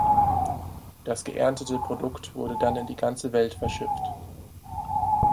Das geerntete Produkt wurde dann in die ganze Welt verschifft.